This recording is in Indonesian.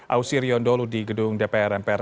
ausi riondolo di gedung dpr npr